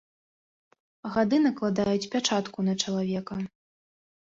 Гады накладаюць пячатку на чалавека.